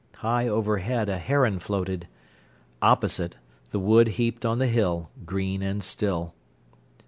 High overhead a heron floated. Opposite, the wood heaped on the hill, green and still.